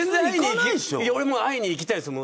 会いに行きたいですよ。